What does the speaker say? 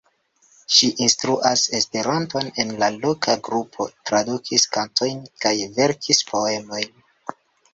Ŝi instruas Esperanton en la loka grupo, tradukis kantojn kaj verkis poemojn.